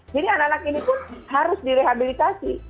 jadi anak anak ini pun harus direhabilitasi